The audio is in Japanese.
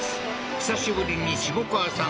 久しぶりに下川さん